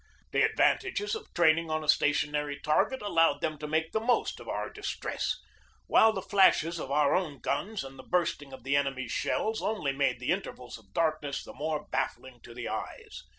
The advantages of training on a stationary target allowed them to make the most of our distress, while the flashes of our own guns and the bursting of the enemy's shells only made the intervals of darkness the more baffling to the eyes.